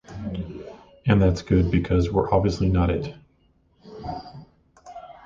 And that's good, because we're obviously not it.